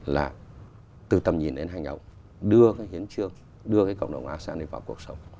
là từ tầm nhìn đến hành động đưa cái hiến trương đưa cái cộng đồng asean này vào cuộc sống